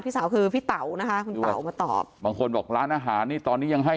สาวคือพี่เต๋านะคะคุณเต๋ามาตอบบางคนบอกร้านอาหารนี่ตอนนี้ยังให้